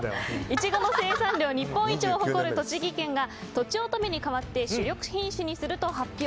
イチゴの生産量日本一を誇る栃木県がとちおとめに代わって主力品種にすると発表。